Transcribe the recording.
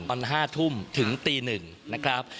ตอน๕ทุ่มถึงตี๑นะครับ